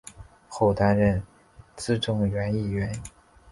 后担任资政院议员。